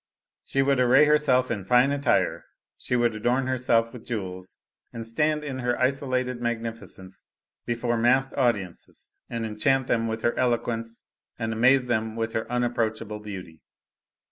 She would array herself in fine attire, she would adorn herself with jewels, and stand in her isolated magnificence before massed audiences and enchant them with her eloquence and amaze them with her unapproachable beauty.